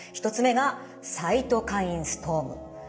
１つ目がサイトカインストーム。